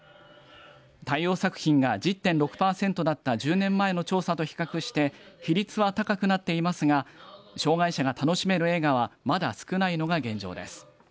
対応作品が１０．６パーセントだった１０年前の調査と比較して比率は高くなっていますが障害者が楽しめる映画はまだ少ないのが現状です。